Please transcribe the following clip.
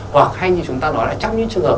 hoặc hay như chúng ta nói là trong những trường hợp